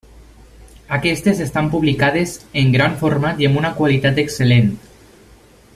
Aquestes estan publicades en gran format i amb una qualitat excel·lent.